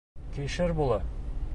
Кишер була.